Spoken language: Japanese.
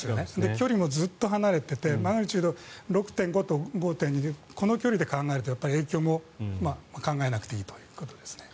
距離もずっと離れていてマグニチュード６．５と５．２でこの距離で考えると影響も考えなくていいということですね。